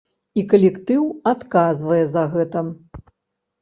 І калектыў адказвае за гэта.